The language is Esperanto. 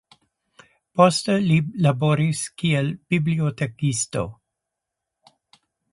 Poste li laboris kiel bibliotekisto.